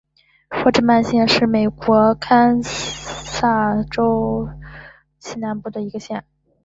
霍治曼县是美国堪萨斯州西南部的一个县。